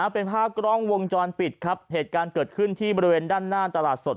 เป็นภาพกล้องวงจรปิดครับเหตุการณ์เกิดขึ้นที่บริเวณด้านหน้าตลาดสด